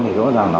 thì rõ ràng là